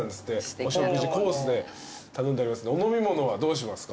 お食事コースで頼んでありますんでお飲み物はどうしますか？